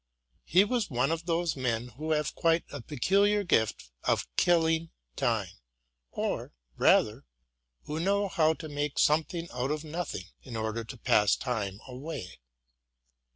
He was one of those men who have quite a peculiar gift of killing time, or, rather, who know how to make something out of "nothing, in order to pass time away.